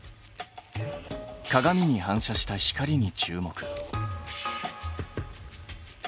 鏡に反射した光に注目。